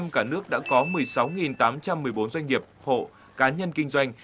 cả nước đã có một mươi sáu tám trăm một mươi bốn doanh nghiệp hộ cá nhân kinh doanh